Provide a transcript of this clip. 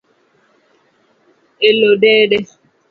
Elo dede